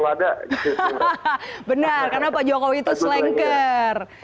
hahaha benar karena pak jokowi itu slangker